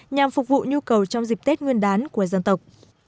nhằm phục vụ nhu cầu trong dịp tết nguyên đán của dân tộc